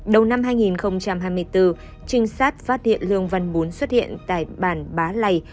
đầu năm hai nghìn hai mươi bốn trinh sát phát hiện lương văn bún xuất hiện tại bản bá lầy